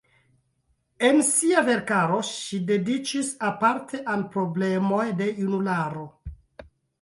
En sia verkaro ŝi dediĉis aparte al problemoj de junularo.